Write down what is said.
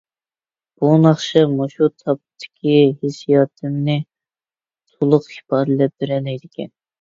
بۇ ناخشا مۇشۇ تاپتىكى ھېسسىياتىمنى تولۇق ئىپادىلەپ بېرەلەيدىكەن.